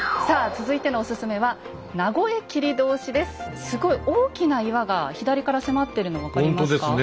さあ続いてのお薦めはすごい大きな岩が左から迫ってるの分かりますか？